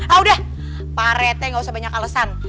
ah udah pak rete gak usah banyak alesan